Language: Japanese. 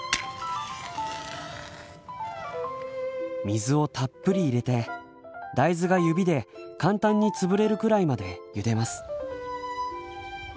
水をたっぷり入れて大豆が指で簡単に潰れるくらいまでゆでます。